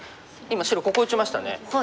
今白ここ打ちましたね。